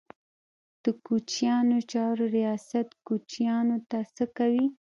د کوچیانو چارو ریاست کوچیانو ته څه کوي؟